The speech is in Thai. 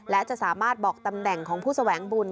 และจะสามารถบอกตำแหน่งของผู้แสวงบุญ